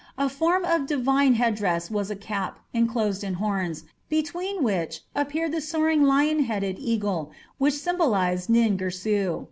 A form of divine headdress was a cap enclosed in horns, between which appeared the soaring lion headed eagle, which symbolized Nin Girsu.